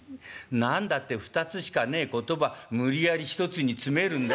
何だって２つしかねえ言葉無理やり１つに詰めるんだよ。